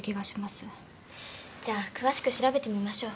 じゃあ詳しく調べてみましょう。